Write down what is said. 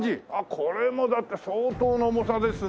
これもだって相当な重さですね。